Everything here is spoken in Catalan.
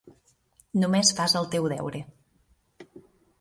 Només fas el teu deure.